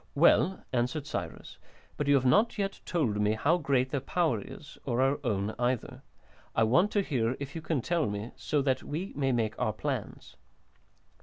"Well," answered Cyrus, "but you have not told me yet how great their power is, or our own either. I want to hear, if you can tell me, so that we may make our plans."